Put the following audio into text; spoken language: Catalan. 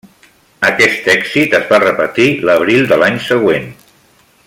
Aquest èxit es va repetir l'abril de l'any següent.